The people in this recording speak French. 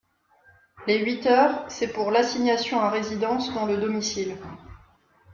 Les huit heures, c’est pour l’assignation à résidence dans le domicile.